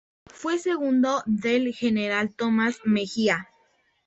Fue segundo del general Tomás Mejía.